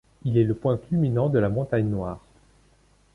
Il est le point culminant de la montagne Noire.